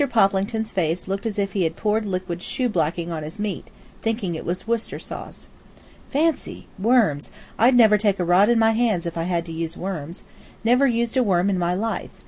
Poplington's face looked as if he had poured liquid shoe blacking on his meat, thinking it was Worcestershire sauce. "Fancy! Worms! I'd never take a rod in my hands if I had to use worms. Never used a worm in my life.